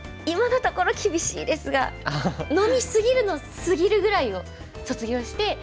今のところ厳しいですが「飲み過ぎる」の「過ぎる」ぐらいを卒業して。